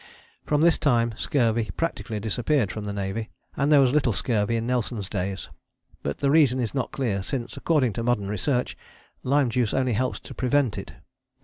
From this time scurvy practically disappeared from the Navy, and there was little scurvy in Nelson's days; but the reason is not clear, since, according to modern research, lime juice only helps to prevent it.